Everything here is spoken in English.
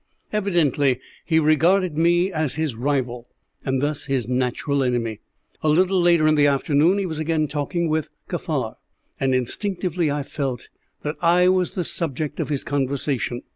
Evidently he regarded me as his rival, and thus his natural enemy. A little later in the afternoon he was again talking with Kaffar, and instinctively I felt that I was the subject of his conversation.